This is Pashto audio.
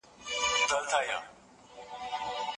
پسله کلونو مې پر ځان بدگمانې کړې ده